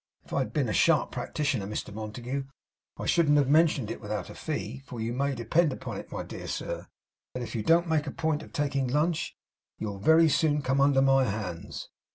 if I had been a sharp practitioner, Mr Montague, I shouldn't have mentioned it without a fee; for you may depend upon it, my dear sir, that if you don't make a point of taking lunch, you'll very soon come under my hands.